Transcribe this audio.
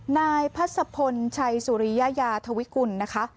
นายพัศพลชัยสุริยาธวิกุลนะคะ